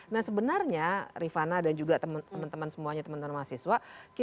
nah sebenarnya rifana dan juga teman teman semuanya teman teman mahasiswa